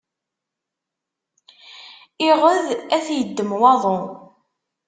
Iɣed, ad t-iddem waḍu.